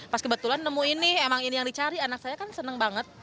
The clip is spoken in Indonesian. pas kebetulan nemu ini emang ini yang dicari anak saya kan senang banget